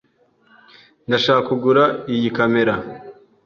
Ndashaka kugura iyi kamera.